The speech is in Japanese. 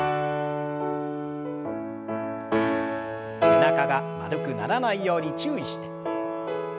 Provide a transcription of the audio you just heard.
背中が丸くならないように注意して。